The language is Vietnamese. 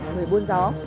người buôn gió